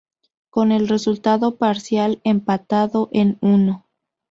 Con el resultado parcial empatado en uno.